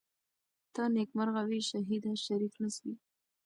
ته نیکمرغه وې شهیده شریک نه سوې